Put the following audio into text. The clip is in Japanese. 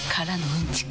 うんちく。